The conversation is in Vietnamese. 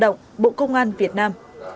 cơ động bộ công an việt nam